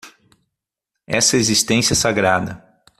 Essa existência sagrada